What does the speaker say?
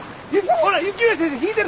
ほら雪宮先生引いてる！